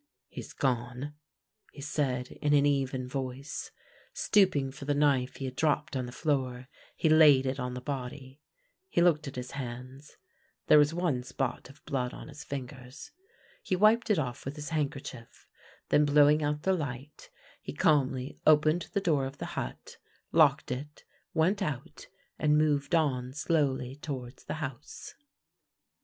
" He is gone," he said in an even voice. Stooping for the knife he had dropped on the floor, he laid it on the body. He looked at his hands. There was one spot THE LANE THAT HAD NO TURNING 83 of blood on his fingers. He wiped it off with his hand kerchief, then, blowing out the light, he calmly opened the door of the hut, locked it, went out, and moved on slowly towards the house.